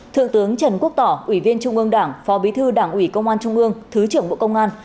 thượng tướng trần quốc tỏ ủy viên trung ương đảng phó bí thư đảng ủy công an trung ương thứ trưởng bộ công an